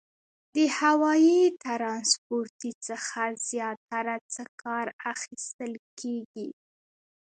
د هوایي ترانسپورتي څخه زیاتره څه کار اخیستل کیږي؟